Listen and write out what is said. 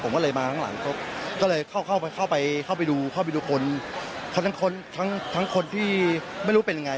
ผมก็เลยมาข้างหลังครับก็เลยเข้าไปดูคนทั้งคนที่ไม่รู้เป็นอย่างไร